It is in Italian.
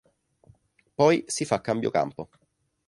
Poi si fa cambio campo.